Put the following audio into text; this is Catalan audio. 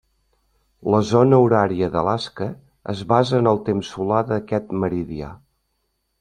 La zona horària d'Alaska es basa en el temps solar d'aquest meridià.